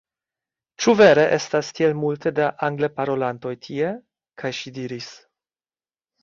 Ĉu vere estas tiel multe da Angleparolantoj tie? kaj ŝi diris: